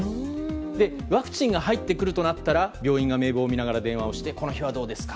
ワクチンが入ってくるとなったら病院が名簿を見ながら電話をしてこの日はどうですか？